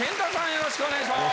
よろしくお願いします。